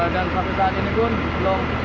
dan sampai saat ini pun belum